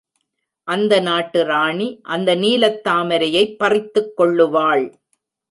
அந்த நாட்டு ராணி அந்த நீலத் தாமரையைப் பறித்துக்கொள்ளுவாள்.